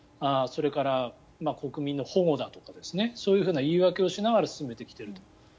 それから、国民の保護だとかそういうふうな言い訳をしながら進めてきていると。